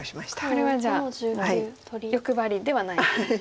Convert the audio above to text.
これはじゃあもう欲張りではないですね。